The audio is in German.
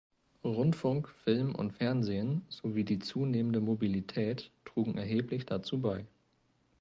Rundfunk, Film und Fernsehen sowie die zunehmende Mobilität trugen erheblich dazu bei.